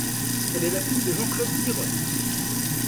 Elle est la fille de Jean-Claude Pirotte.